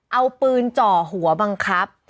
เอาปืนจ่อหัวบังคับ